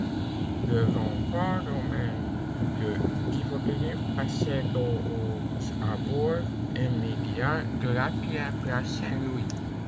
Le rempart romain de Divodurum passait au aux abords immédiats de l’actuelle place Saint-Louis.